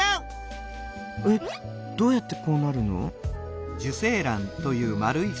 えっどうやってこうなるの？